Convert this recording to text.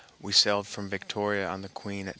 We sailed from Victoria on the Queen at 10.